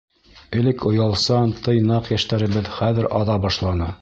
Элек оялсан, тыйнаҡ йәштәребеҙ хәҙер аҙа башланы.